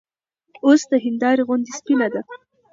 اوس د هېندارې غوندې سپينه ده